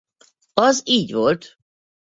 Az Így volt!